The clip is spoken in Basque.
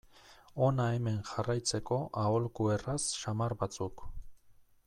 Hona hemen jarraitzeko aholku erraz samar batzuk.